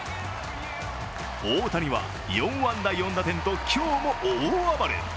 大谷は４安打４打点と今日も大暴れ。